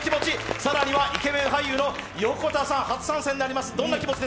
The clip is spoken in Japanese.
更にはイケメン俳優の横田さん、初参戦になります。